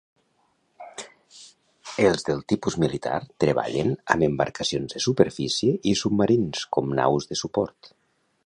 Els del tipus militar treballen amb embarcacions de superfície i submarins, com naus de suport.